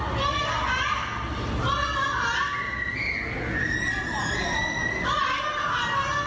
พนักงานในร้าน